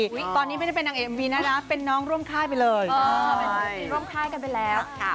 ตอนนี้ไม่ได้เป็นนางเอ็มวีนะนะเป็นน้องร่วมค่ายไปเลยเป็นร่วมค่ายกันไปแล้ว